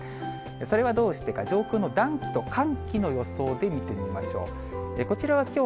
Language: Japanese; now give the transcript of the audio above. それはどうしてか、上空の暖気と寒気の予想で見てみましょう。